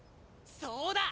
そうだ！